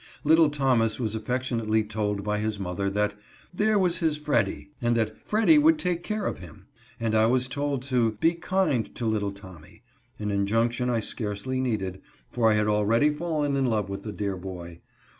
Little Thomas was affectionately told by his mother, that " there was his Freddy," and that " Freddy would take care of him ;" and I was told to " be kind to little Tommy," an injunction I scarcely needed, for I had already fallen in love with the dear boy.